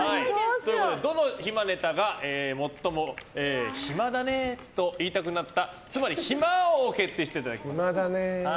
どの暇ネタが最も暇だねと言いたくなったつまり、暇王を決定していただきます。